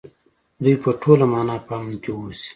دوی په ټوله مانا په امن کې اوسي.